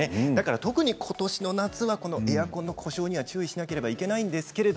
特にことしの夏はエアコンの故障には注意しなければいけないんですが